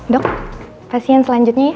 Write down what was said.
dok pasien selanjutnya ya